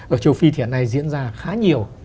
ở châu phi thì hiện nay diễn ra khá nhiều